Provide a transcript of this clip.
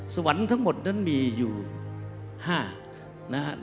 สวรรค์ทั้งหมดนั้นมีอยู่๕นะครับ